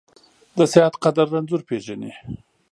د صحت قدر رنځور پېژني.